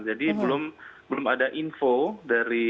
jadi belum ada info dari